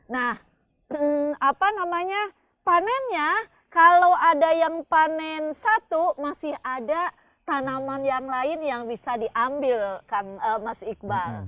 nah apa namanya panennya kalau ada yang panen satu masih ada tanaman yang lain yang bisa diambil kan mas iqbal